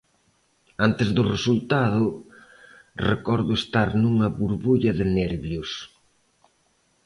Antes do resultado, recordo estar nunha burbulla de nervios.